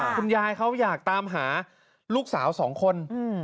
คุณยายเขาอยากตามหาลูกสาวสองคน